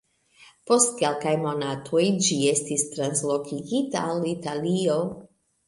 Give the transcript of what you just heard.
Post kelkaj monatoj, ĝi estis translokigita al Italio.